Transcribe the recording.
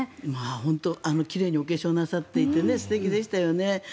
本当奇麗にお化粧なさっていて素敵でしたよね。